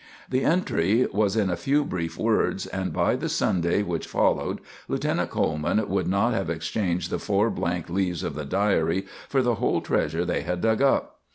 The entry was in a few brief words, and by the Sunday which followed, Lieutenant Coleman would not have exchanged the four blank leaves of the diary for the whole treasure they had dug up.